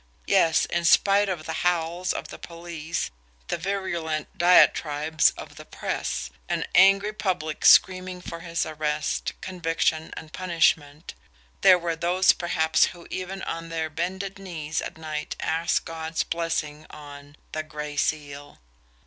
Yes, in spite of the howls of the police, the virulent diatribes of the press, an angry public screaming for his arrest, conviction, and punishment, there were those perhaps who even on their bended knees at night asked God's blessing on the Gray Seal!